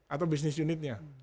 apa business unitnya